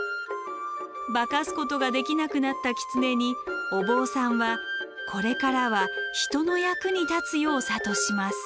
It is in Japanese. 化かすことができなくなったキツネにお坊さんはこれからは人の役に立つよう諭します。